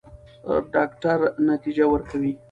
ډاکټره نتیجه ورکوي.